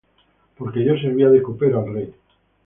Porque yo servía de copero al rey.